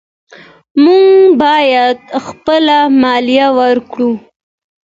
موږ باید خپله مالیه ورکړو.